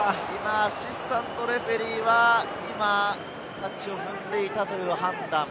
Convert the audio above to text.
アシスタントレフェリーはタッチを踏んでいたという判断。